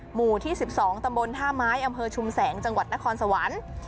หมู่ที่๑๒ตำบลท่าไม้อำเภอชุมแสงจังหวัดนครสวรรค์